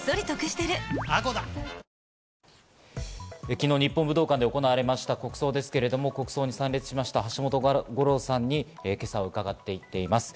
昨日、日本武道館で行われました国葬ですけれども、国葬に参列しました、橋本五郎さんに今朝は伺っています。